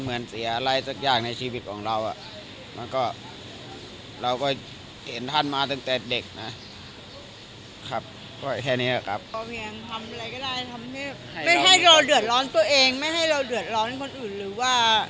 หรือว่าเราต้องทำอะไรที่มันเกินตัว